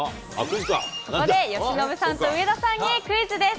ここで由伸さんと上田さんにクイズです。